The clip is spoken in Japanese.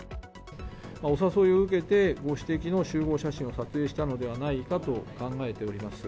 お誘いを受けて、ご指摘の集合写真を撮影したのではないかと考えております。